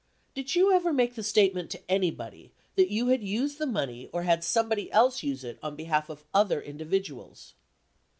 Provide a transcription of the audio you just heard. Did you ever make the statement to anybody that you had used the money or had somebody else use it on behalf of other individuals